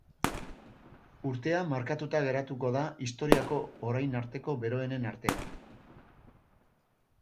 Urtea markatuta geratuko da historiako orain arteko beroenen artean.